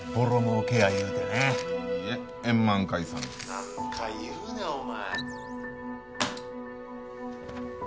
「何回言うねんお前」